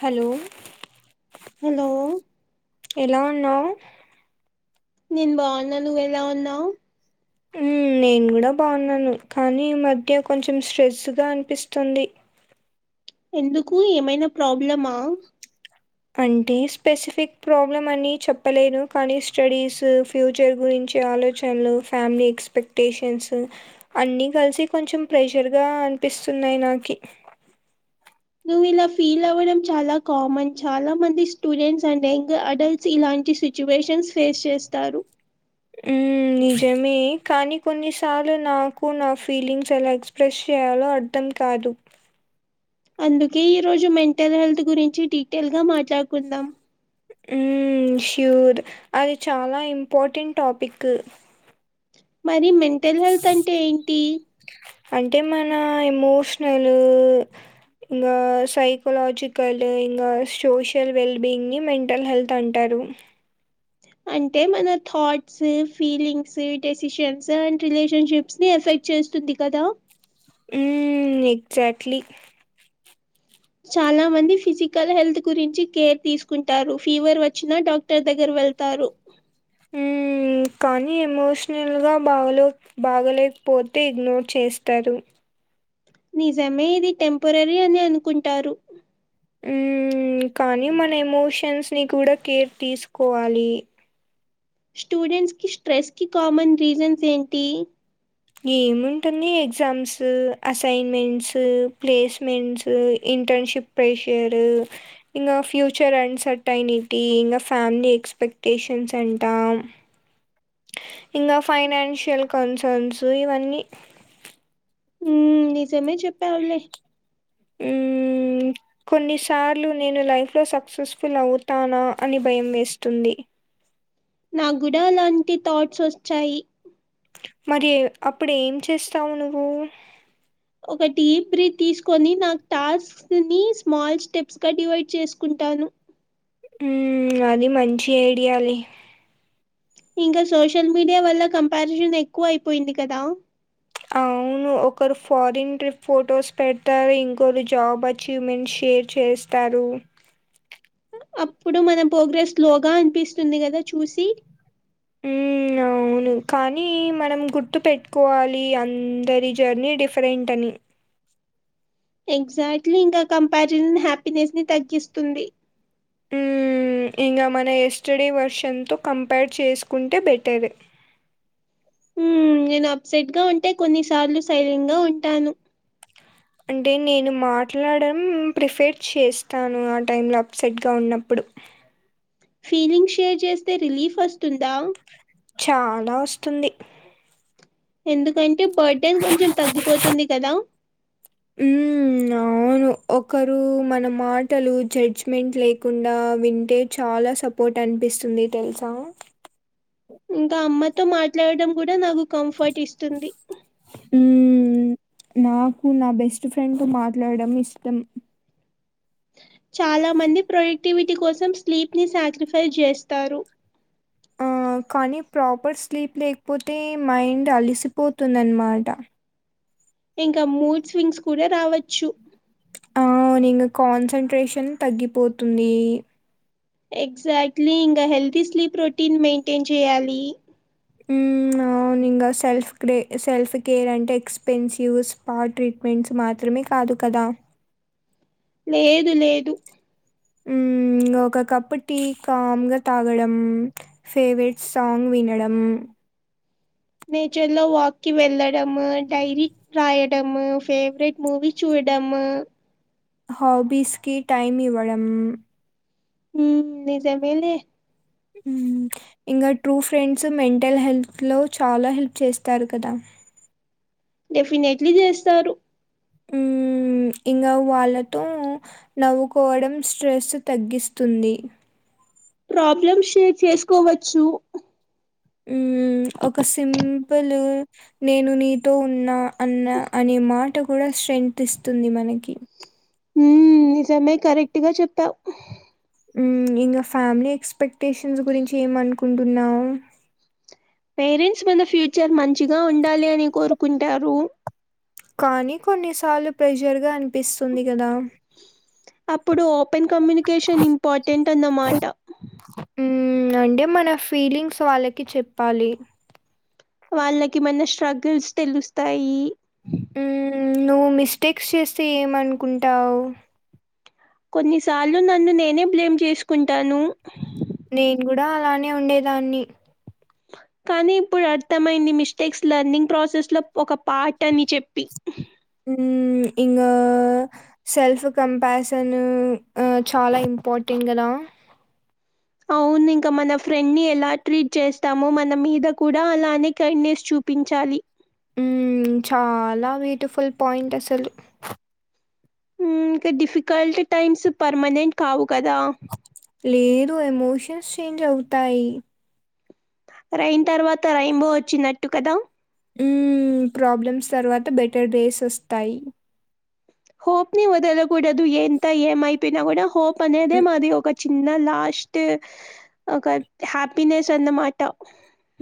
Hello hello ఎలా ఉన్నావు? నేను బావున్నా నువ్వు ఎలా ఉన్నావు? మ్మ్, నేను కూడా బావున్నాను కానీ ఈ మధ్య కొంచెం స్ట్రెస్గా అనిపిస్తుంది. ఎందుకు ఏమైనా ప్రాబ్లమా? కంటే స్పెసిఫిక్ ప్రాబ్లమ్ అని చెప్పలేను కానీ స్టడీస్ ఫ్యూచర్ గురిం చి ఆలోచనలు ఫ్యామిలీ ఎక్స్పెక్టేషన్స్ అన్ని కలిసి కొంచెం ప్రెషర్గా అనిపిస్తున్నాయి నాకి నువ్వు ఇలా ఫీల్ అవ్వడం చాలా కామన్ చాలా మంది స్టూడెంట్స్ అండ్ యంగ్ అడల్ట్స్ ఇలాంటి సిచ్యువేషన్స్ ఫేస్ చేస్తారు. ఆ నిజమే కానీ కొన్నిసార్లు నాకు నా ఫీలింగ్స్ ఎలా ఎక్స్ప్రెస్ చేయాలో అర్థం కాదు అందుకే ఈ రోజు మెంటల్ హెల్త్ గురించి డీటెయిల్ గా మాట్లాడుకుందాం. మ్ ష్యూర్ అది చాలా ఇంపార్టెంట్ టాపిక్ మరి మెంటల్ హెల్త్ అంటే ఏంటి? అంటే మన ఎమోషనలు ఇంగా సైకలాజికల్ ఇంగా సోషల్ వెల్బియింగ్ని మెంటల్ హెల్త్ అంటార్ రు అంటే మన thoughts feelings decisions and relationships ని ఎఫెక్ట్ చేస్తుంది కదా ఉమ్ ఎగ్జాక్ట్లీ చాలా మంది ఫిజికల్ హెల్త్ గురించి కేర్ తీసుకుంటారు ఫీవర్ వచ్చినా డాక్టర్ దగ్గర వెళ్తారు ఉమ్ కానీ ఎమోషనల్గా బాగలో బాగలేకపోతే ఇగ్నోర్ చేస్తారు నిజమే ఇది టెంపరరీ అని అనుకుంటారు ఉమ్ కానీ మన ఎమోషన్స్ ని కూడా కేర్ తీసుకోవాలి స్టూడెంట్స్ కి స్ట్రెస్ కి కామన్ రీజన్స్ ఏంటి ఏముంటుంది exams assignments placements internship pressure ఇంగ ఫ్యూచర్ అండ్ సర్టైనిటీ ఇంగా ఫేమిలీ ఎక్స్ క్స్పెక్టేషన్స్ అంటాం ఇంగా ఫైనాన్షియల్ కన్సర్న్స్ ఇవన్నీ ఉమ్ నిజమే చెప్పావ్లే ఉమ్ కొన్నిసార్లు నేను లైఫ్లో సక్సెస్ఫుల్ అవుతానా అని భయం వేస్తుంది నా గుడా అలాంటి థాట్స్ వచ్చాయి మరి ఎ అప్పుడు ఏం చేస్తావు నువ్వు ఒక బ్రీత్ తీసుకొని నాకు టాస్క్ ని స్మాల్ స్టెప్స్ గా డివైడ్ చేసుకుం టాను ఉమ్ అది మంచి ఐడియాలే ఇంకా సోషల్ మీడియా వల్ల కంపారిజన్ ఎక్కువయిపోయింది కదా అవును ఒకరు ఫారిన్ ట్రిప్ ఫొటోస్ పెడతారు ఇంకొరు జాబ్ అచీవ్మెంట్స్ షేర్ చేస్ త్తారు అప్పుడు మన ప్రోగ్రెస్ స్లోగా అనిపిస్తుంది కదా చూసి ఉమ్ అవును కానీ మనం గుర్తు పెట్టుకోవాలి అందరి జర్నీ డిఫరెంట్ అని ఎగ్జాక్ట్లీ ఇంకా కంపారిజన్ హ్యాపీనెస్ ని తగ్గిస్తుంది ఇంగా మన ఎస్టడే వర్షన్తో కంపేర్ చేసుకుంటే బెటర్ ఉమ్ నేను అప్సెట్ గా ఉంటే కొన్ని సార్లు సైలెంట్ గా ఉంటాను అంటే నేను మాట్లాడం ప్రిపేర్ చేస్తాను ఆ టైంలో అప్సెట్గా ఉన్నప్పుడు ఫీలింగ్ షేర్ చేస్తే రిలీఫ్ వస్తుందా చాలా వస్తుంది ఎందుకంటే బర్డన్ కొంచెం తగ్గిపోతుంది కదా హ్మ్. అవును. ఒకరు మన మాటలు జడ్జ్మెంట్ లేకుండా వింటే చాలా సపోర్ట్ అన్ బిస్తుంది తెల్సా ఇంకా అమ్మతో మాట్లాడడం కూడా నాకు కంఫర్ట్ ఇస్తుంది ఉమ్ నాకు నా బెస్ట్ ఫ్రెండ్తో మాట్లాడడం ఇష్టం చాలా మంది ప్రొడక్టివిటీ కోసం స్లీప్ ని సాక్రిఫైస్ చేస్తారు ఆ! కానీ ప్రాపర్ స్లీప్ లేకపోతే మైండ్ అలిసిపోతుందానమాట. ఇంకా మూడ్ స్వింగ్స్ కూడా రావచ్చు. అవును ఇంకా కాన్సన్ంట్రేషన్ తగ్గిపోతుంది. ఎగ్జాక్ట్లీ ఇంకా హెల్తీ స్లీప్ రోటీన్ మెయింటైన్ చేయాలి. ఉమ్ ఆహ్ అవును ఇంకా సెల్ఫ్ సెల్ఫ్ కేర్ అంటే ఎక్స్పెన్సివ్ స్పా ట్రీట్మెంట్స్ మాత్రమే. కాదు కదా. లేదు లేదు. ఇంకా ఒక కప్పు టీ కామ్ గా తాగడం ఫేవరెట్ సాంగ్ వినడం. నేచర్ లో వాక్కిి వెళ్ళడ డైరీ రాయడం ఫేవరెట్ మూవీ చూడ. డాము. హాబీస్ కి టైమ్ ఇవ్వడం. ఉమ్ నిజమేలే. ఉమ్ ఇంకా ట్రూ ఫ్రెండ్స్ మెంటల్ హెల్త్ లో చాలా హెల్ప్ చేస్తారు కదా. డెఫినెట్లీ చేస్తారు. ఉమ్. ఇంకా వాళ్ళతో నవ్వుకోవడం స్ట్రెస్ తగ్గిస్తుంది. ప్రాబ్లమ్స్ షేర్ చేసుకోవచ్చు. ఉమ్. ఒక సింపుల్ నేను నీతో ఉన్నా అన్న అనే మాట కూడా. స్ట్రెంత్ ఇస్తుంది మనకి. ఉమ్ నిజమే కరెక్ట్గా చెప్పావు. ఇంకా ఫ్యామిలీ ఎక్స్పెక్టేషన్స్ గురించి ఏమనుకుంటున్నావు. పేరెంట్స్ మాన ఫ్యూచర్ మంచిగా ఉండాలి అని కోరుకుంటారు. కానీ కొన్నిసార్లు ప్రెజర్ గా అనిపిస్తుంది కదా. అప్పుడు ఓపెన్ కమ్యూనికేషన్ ఇంపార్టెంట్ అన్నమాట. అంటే మన ఫీలింగ్స్ వాళ్ళకి చెప్పాలి. వాళ్ళకి మన స్ట్రగుల్స్ తెలుస్తాయి. హ్మ్. నువ్వు మిస్టేక్స్ చేస్తే ఏమనుకుంటావు. కొన్నిసార్లు నన్ను నేనే బ్లేమ్ చేసుకుంటాను. నేను కూడా అలానే ఉండేదాన్ని. కానీ ఇప్పుడు అర్థమైంది మిస్టేక్స్ లెర్నింగ్ ప్రాసెస్ లో ఒక పార్ట్ అని చెప్పి. ఉమ్ ఇంకా సెల్ఫ్ కంపసన్ చాలా ఇమ్. పోటీంగ్ కదా. అవును ఇంకా మన ఫ్రెండ్ ని ఎలా ట్రీట్ చేస్తామో మన మీద కూడా అలానే కైండ్నెస్ చూప్. ఒప్పించాలి. ఉమ్ చాలా బ్యూటిఫుల్ పాయింట్ అసలు. ఇంకా డిఫికల్ట్ టైమ్స్ పర్మనెంట్ కావు. కదా లేదు ఎమోషన్స్ చేంజ్ అవుతాయి. రెయిన్ తర్వాత రైన్బో వచ్చినట్టు కదా. ఉమ్ ప్రాబ్లమ్స్ తర్వాత బెటర్ డేస్ వస్తాయి. హోప్ ని వదలకూడదు ఎంత ఏమైపోయినా కూడా హోప్ అనేదే హ్మ్. మది ఒక. చిన్న లాస్ట్ ఒక హ్యాపీనెస్ అన్నమాట.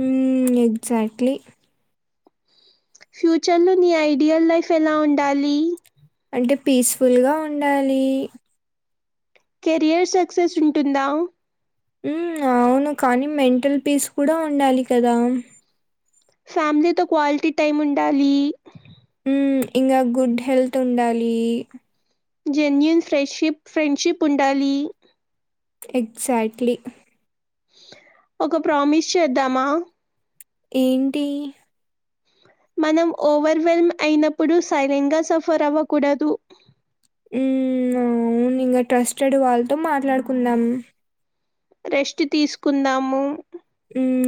ఉమ్ ఎక్జాక్ట్లీ. ఫ్యూచర్ లో నీ ఐడియల్ లైఫ్ ఎలా ఉండాలి అంటే పీస్ఫుల్గా ఉండాలి కెరియర్ సక్సెస్ ఉంటుందా ఉమ్ అవును కానీ మెంటల్ పీస్ కూడా ఉండాలి కదా ఫ్యామిలీతో క్వాలిటీ టైమ్ ఉండాలి ఉమ్ ఇంగ గుడ్ హెల్త్ ఉండాలి జెన్యూన్ ఫ్రడ్షిప్ ఫ్రండ్షిప్ ఉండాలి ఎక్జాక్ట్లీ ఒక ప్రామిస్ చేద్దామా ఏంటి మనం ఓవర్ వెెల్మ్ అయినప్పుడు సైలెంట్ గా సఫర్ అవ్వకూడదు ఉమ్ అవును ఇంగా ట్రస్టెడ్ వాళ్ళతో మాట్లాడుకుందాం రెస్ట్ తీసుకుందాము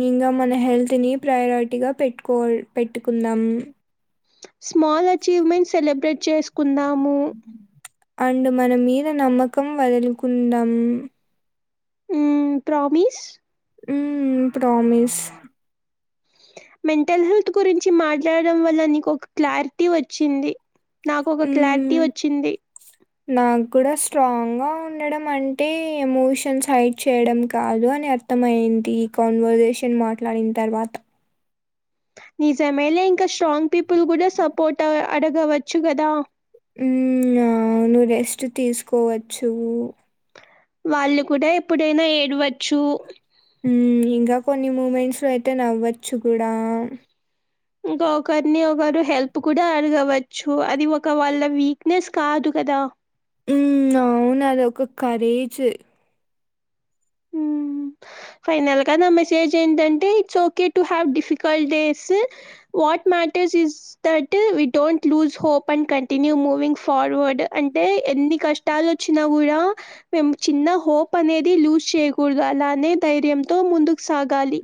ఇంగా మన హెల్త్ ని ప్రయారిటీగా పెట్టుకో పెట్టుకుందాం స్మాల్ అచీవ్మెంట్ సెలబ్రేట్ చేసుకుందాం అండ్ మన మీద నమ్మకం వదులుకుందాం ఉమ్ ప్రామిస్ ఉమ్ ప్రామిస్ మెంటల్ హెల్త్ గురించి మాట్లాడడం వల్ల నీకొక క్లారిటీ వచ్చింది నాకొక క్లారిటీ హ్మ్. వచ్చింది నాకు గుడా స్ట్రాంగ్ గా ఉండడం అంటే ఎమోషన్స్ హైడ్ చేయడం కాదు అని అర్థమయింది ఈ కాన్వర్సేషన్ మాట్లాడిన్ తర్వాత నిజమేలే ఇంకా స్ట్రాంగ్ పీపుల్ కూడా సపోర్ట అడగవచ్చు కదా ఉమ్ అవ్నూ రెస్ట్ తీసుకోవచ్చు వాళ్ళు కూడా ఎప్పుడైనా ఏడవచ్చు ఉమ్ ఇంగా కొన్ని మూమెంట్స్ లో అయితే నవ్వచ్చు కూడా ఇంగా ఒకరిని ఒకరు హెల్ప్ కూడా అడగవచ్చు అది ఒక వాళ్ళ వీక్నెస్ కాదు కదా ఉమ్ అవును అదొక కరేజ్ ఉమ్ ఫైనల్ గా నా మెసేజ్ ఏంటంటే it's okay to have difficult days what matters is that we don't lose hope and continue moving forward అంటే ఎన్ని కష్టాలోచ్చిన గుడా మేమ్ చిన్న హోప్ అనేది లూస్ చేయకూడదు అలానే ధైర్యంతో ముందుకు సాగాలి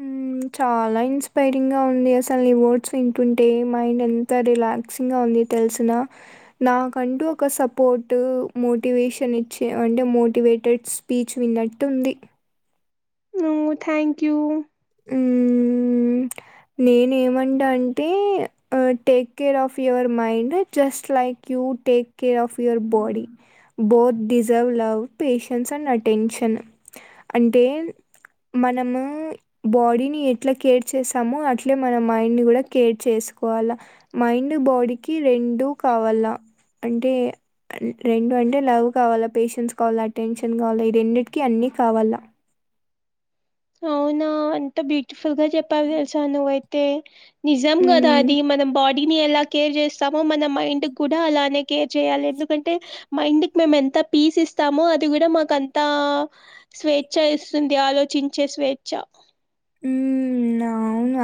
హ్మ్. చాలా ఇన్స్పైరింగ్ గా ఉంది అసలు నీ వర్డ్స్ వింటుంటే మైండ్ ఎంత రిలాక్సింగ్ గా ఉంది తెల్సినా నాకంటూ ఒక సపోర్ట్ మోటివేషన్ ఇచ్చి అంటే మోటి టివేటెడ్ స్పీచ్ విన్నట్టు ఉంది ఓ థ్యాంక్ యూ ఉమ్ నేను ఏమంట అంటే take care of your mind just like you take care of your body both deserve love patience and attention అంటే మనము బాడీని ఎట్లా కేర్ చేస్ నము అట్లే మన మైండ్ ని గుడా కేర్ చేసుకోవాల మైండ్ బాడీకి రెండు కావాల్ లా అంటే రెండు అంటే లవ్ కావాలా పేషెన్స్ కావాలా అటెన్షన్ కావాలా ఈ రెండిటికి అన్నీ కావాలా అవునా ఎంత బ్యూటిఫుల్ గా చెప్పావ్ తెల్సా నువ్వయితే నిజం గదా హ్మ్. అది మనం బా డిని ఎలా కేర్ చేస్తామో మన మైండ్ కూడా అలానే కేర్ చేయాలి ఎందుకంటే మైండ్క్ మేమేన్ త పీస్ ఇస్తామో అది కూడా మాకుంత స్వేచ్ఛ ఇస్తుంది ఆలోచిం చే స్వేచ్ఛ ఉమ్ నా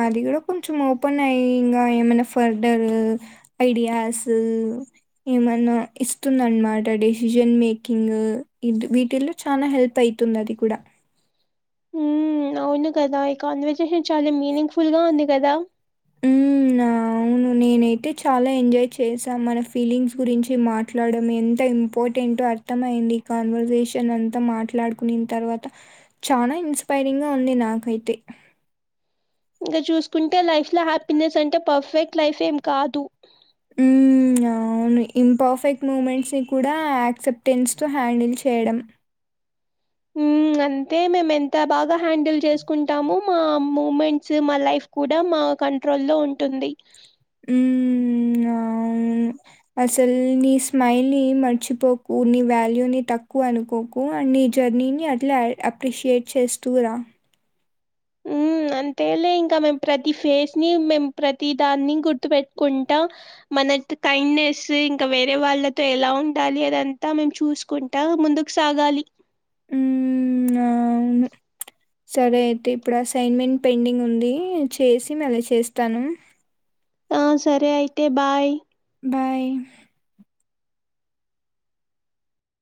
అది గుడా కొంచెం ఓపెన్ అయి ఇంగ ఏమనా ఫర్దర్ ఐడియాస్ ఏమన్నా ఇస్తుంద అన్మాట డెసిజన్ మేకింగ్ ఇట్రీబీటిల్లో చానా హెల్ప్ అయితుంది అది కూడా ఉమ్ అవును కదా ఈ కాన్వర్జేషన్ చాలా మీనింగ్ ఫుల్ గా ఉంది కదా ఉమ్ అవును నేనైతే చాలా ఎంజాయ్ చేశా మన ఫీలింగ్స్ గురించి మాట్లాడం ఎంత ఇంపార్టెంటొ అర్థం అయింది కాన్వర్సేషన్ అంతా మాట్లాడుకునిన్ తర్వాత చానా ఇన్స్పైరింగ్ గా ఉంది నాకైతే ఇంకా చూసుకుంటే లైఫ్ ల హ్యాపీనెస్ అంటే పర్ఫెక్ట్ లైఫ్ ఏం కాదు హ్మ్. అవును ఇంపర్ఫెక్ట్ మూమెంట్స్ని కూడా యాక్సెప్టెన్స్ తో హ్యాండిల్ చేయడం ఉమ్ గంతే మేము ఎంత బాగా హ్యాండిల్ చేసుకుంటాము మా మూమెంట్స్ మా లైఫ్ కూడా మా కంట్రోల్ లో ఉంటుంది ఉమ్ అ అసల్ నీ స్మైల్ ని మర్చిపోకు నీ వాల్యూ ని తక్కువ అనుకోకు అండ్ నీ జర్నీని అట్లా అప్రిషియేట్ చేస్తూరా ఉమ్ అంతే లే ఇంక ప్రతీ ఫేజ్ మేమ్ ప్రతీ దాన్ని గుర్తు పెట్టుకుంట మ [unintelligible] కైండ్నెస్ ఇంకా వేరే వాళ్ళతో ఎలా ఉండాలి అదంతా మేము చూసుకుంటా ముందు సాగాలి ఉమ్ సరే అయితే ఇప్పుడసైన్మెంట్ పెండింగ్ ఉంది చేసి మళ్ళీ చేస్తాను ఆ సరే అయితే బాయ్ బాయ్